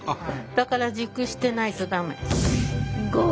だから熟してないと駄目。